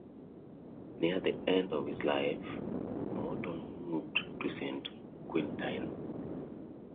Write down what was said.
Near the end of his life, Mouton moved to Saint-Quentin.